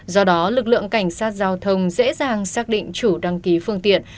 do đó lực lượng cảnh sát giao thông dễ dàng xác định chủ đăng ký phương tiện